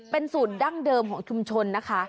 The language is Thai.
เป็นสูตรดั้งเดิมของชุมชนนะคะ